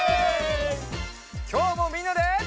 きょうもみんなで。